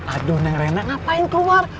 aduh neng rena ngapain keluar